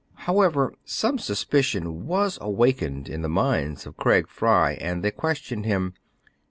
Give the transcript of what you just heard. However, some suspicion was awakened in the minds of Craig Fry, and they questioned him.